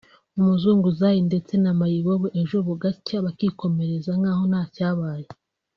Umuzunguzayi ndetse na Mayibobo; ejo bugacya bakikomereza nkaho ntacyabaye